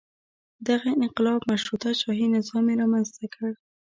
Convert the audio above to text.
دغه انقلاب مشروطه شاهي نظام یې رامنځته کړ.